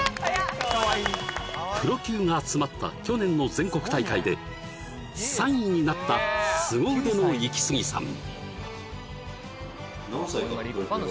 プロ級が集まった去年の全国大会で３位になったすご腕のイキスギさん